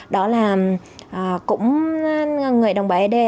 đó là cũng người đồng bào ế đê